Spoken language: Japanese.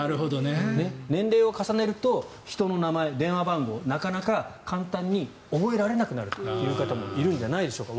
年齢を重ねると人の名前、電話番号なかなか簡単に覚えられなくなるという方もいるんじゃないでしょうか。